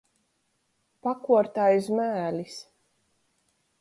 Pakuort aiz mēlis.